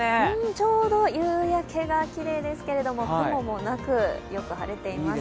ちょうど夕焼けがきれいですけれども雲もなく、よく晴れてます。